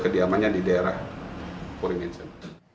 kediamannya di daerah poringinsen